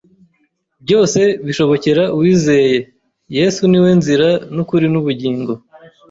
Byose bishobokera uwizeye, Yesu ni we nzira n’ukuri n’ubugingo.